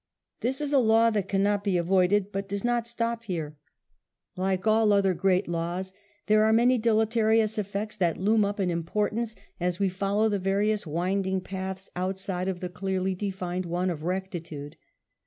This is a law that cannot be avoided but does not stop here. Like all other great laws, there are many deleterious effects that loom up in importance as we follow the various winding paths outside of the clearly defined one of rectitude.